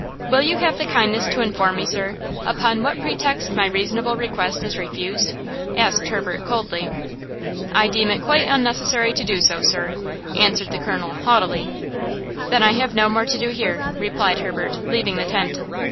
"Will you have the kindness to inform me, sir, upon what pretext my reasonable request is refused?" asked Herbert, coldly. "I deem it quite unnecessary to do so, sir," answered the Colonel, haughtily. "Then I have no more to do here," replied Herbert, leaving the tent.